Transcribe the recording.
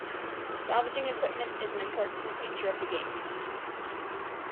Salvaging equipment is an important feature of the game.